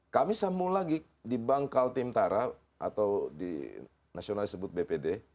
kami sambung lagi di bangkal timtara atau di nasional disebut bpd